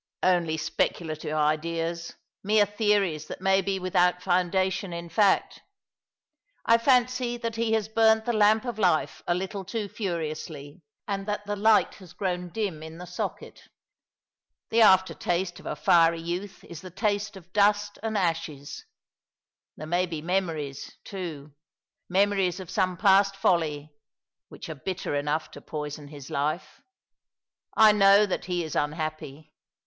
" Only speculative ideas — mere theories that may be without foundation in fact. I fancy that he has burnt the lamp of life a little too furiously, and that the light has grown dim in the socket. The after taste of a fiery youth is the taste of dust and ashes. There may be memories, too — memories of some past folly — which are bitter enough to poison his life. I know that he is unhappy.